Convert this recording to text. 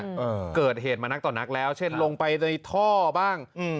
เออเกิดเหตุมานักต่อนักแล้วเช่นลงไปในท่อบ้างอืม